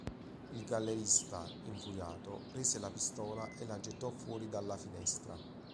Il gallerista, infuriato, prese la pistola e la gettò fuori dalla finestra.